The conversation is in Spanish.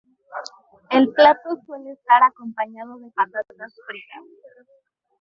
El plato suele estar acompañado de patatas fritas.